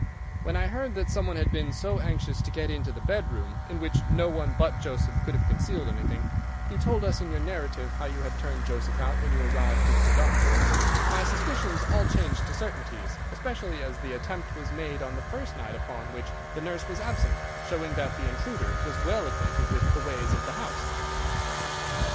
When I heard that some one had been so anxious to get into the bedroom, in which no one but Joseph could have concealed anything—you told us in your narrative how you had turned Joseph out when you arrived with the doctor—my suspicions all changed to certainties, especially as the attempt was made on the first night upon which the nurse was absent, showing that the intruder was well acquainted with the ways of the house."